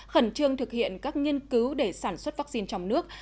khẩn trương thực hiện các nghiên cứu để sản xuất vaccine trong nước